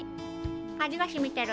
味がしみてる。